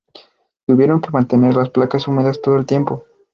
Tuvieron que mantener las placas húmedas todo el tiempo.